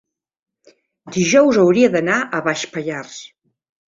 dijous hauria d'anar a Baix Pallars.